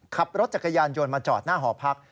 ขับรถจักรยานยนต์มาจอดหน้าหอพัก